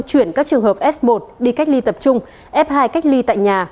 chuyển các trường hợp f một đi cách ly tập trung f hai cách ly tại nhà